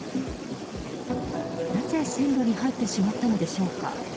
なぜ線路に入ってしまったのでしょうか。